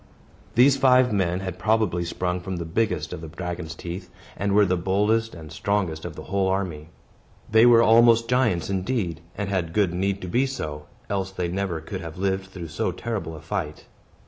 These five men had probably sprung from the biggest of the dragon's teeth, and were the boldest and strongest of the whole army. They were almost giants indeed, and had good need to be so, else they never could have lived through so terrible a fight.